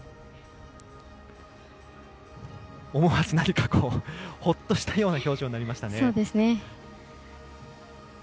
思わずホッとしたような表情になりましたね。